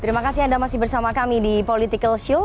terima kasih anda masih bersama kami di political show